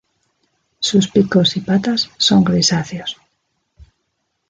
Sus picos y patas son grisáceos.